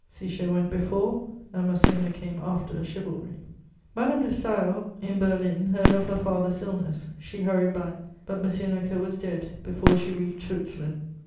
Cisher went before and Masséna came after chivalry. Madame de Staël in Berlin heard of her father's illness; she hurried back, but M. Necker was dead before she reached Switzerland.